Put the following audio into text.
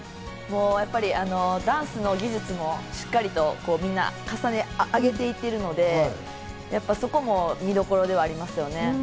やっぱりダンスの技術もしっかりとみんな重ね上げていっているので、そこも見どころではありますよね。